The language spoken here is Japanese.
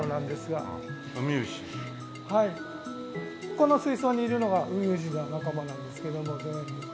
この水槽にいるのがウミウシの仲間なんですけども全部。